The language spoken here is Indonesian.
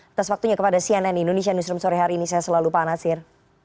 atas waktunya kepada cnn indonesia newsroom sore hari ini saya selalu pak nasir